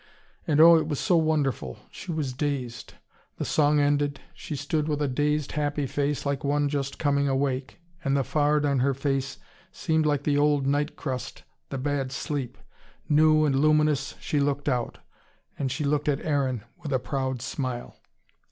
And oh, it was so wonderful, she was dazed. The song ended, she stood with a dazed, happy face, like one just coming awake. And the fard on her face seemed like the old night crust, the bad sleep. New and luminous she looked out. And she looked at Aaron with a proud smile.